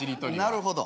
なるほど。